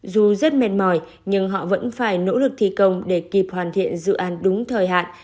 dù rất mệt mỏi nhưng họ vẫn phải nỗ lực thi công để kịp hoàn thiện dự án đúng thời hạn